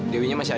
dewinya masih ada